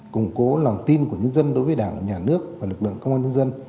củng cố lòng tin của nhân dân đối với đảng nhà nước và lực lượng công an nhân dân